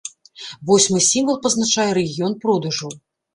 Восьмы сімвал пазначае рэгіён продажаў.